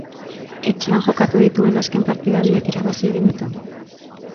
Etxean jokatu dituen azken partida biak irabazi egin ditu.